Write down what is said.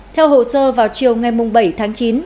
theo hồ sơ vào chiều ngày bảy tháng